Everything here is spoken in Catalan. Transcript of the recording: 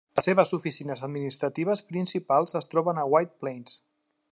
Les seves oficines administratives principals es troben a White Plains.